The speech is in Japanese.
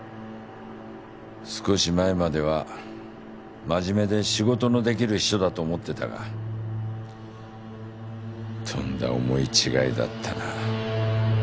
少し前までは真面目で仕事のできる秘書だと思ってたがとんだ思い違いだったな。